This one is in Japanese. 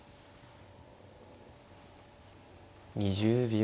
２０秒。